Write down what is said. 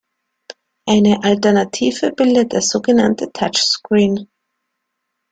Eine Alternative bildet der sogenannte Touchscreen.